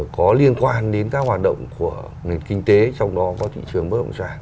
có liên quan đến các hoạt động của nền kinh tế trong đó có thị trường bất động sản